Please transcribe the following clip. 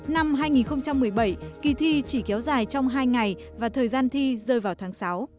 năm hai nghìn một mươi bảy kỳ thi chỉ kéo dài trong hai ngày và thời gian thi rơi vào tháng sáu